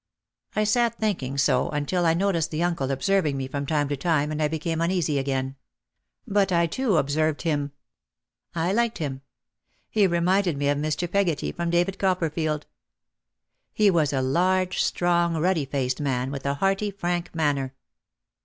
I sat thinking so until I noticed the uncle observing me from time to time and I became uneasy again. But I too observed him. I liked him. He reminded me of Mr. Peggotty from David Copperfield. He was a large, strong, ruddy faced man with a hearty, frank manner.